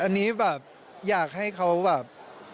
อันนี้แบบอยากให้เขาแบบ